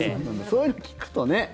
そういうの聞くとね。